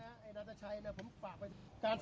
อย่างนั้นไอ้นัทชัยเนี่ยผมฝากหน้าทดวง